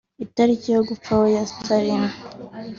itariki yo gupfiraho ya Staline